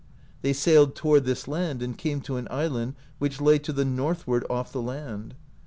They sailed toward this land, and came to an island which lay to the northward off the land.